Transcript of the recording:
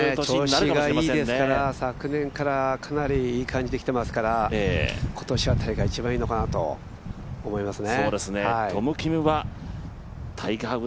そうですね、調子がいいですから昨年からかなりいい感じできてますから今年は一番いいのかなと思いますね。